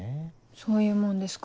そういうもんですか？